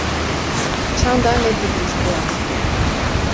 çanda nedigîhîşt vê astê.